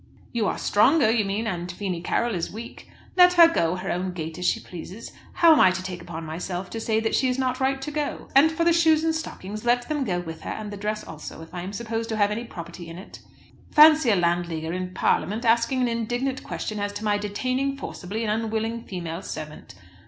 "You are stronger, you mean, and Feemy Carroll is weak. Let her go her own gait as she pleases. How am I to take upon myself to say that she is not right to go? And for the shoes and stockings, let them go with her, and the dress also, if I am supposed to have any property in it. Fancy a Landleaguer in Parliament asking an indignant question as to my detaining forcibly an unwilling female servant.